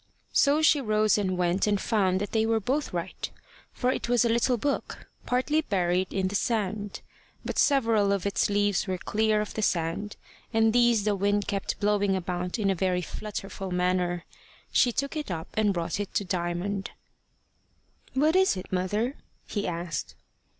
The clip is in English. So she rose and went and found that they were both right, for it was a little book, partly buried in the sand. But several of its leaves were clear of the sand, and these the wind kept blowing about in a very flutterful manner. She took it up and brought it to Diamond. "What is it, mother?" he asked.